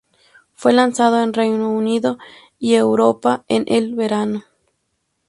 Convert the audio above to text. Fue lanzado en Reino Unido y Europa en el verano.